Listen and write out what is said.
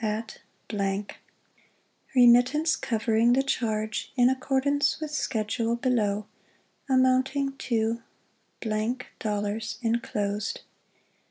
at _ ŌĆö Remittance covering the charge, in accordance with schedule below, amounting to $ enclosed.